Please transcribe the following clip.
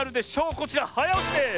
こちらはやおしです！